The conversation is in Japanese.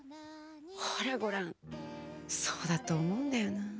ほらごらんそうだと思うんだよな。